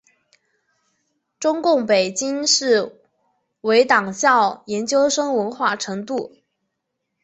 中共北京市委党校研究生文化程度。